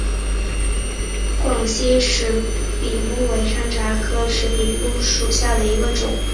广西石笔木为山茶科石笔木属下的一个种。